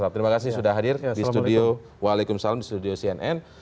terima kasih sudah hadir di studio cnn